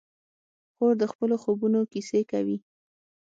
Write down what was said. خور د خپلو خوبونو کیسې کوي.